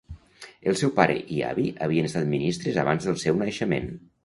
El seu pare i avi havien estat ministres abans del seu naixement.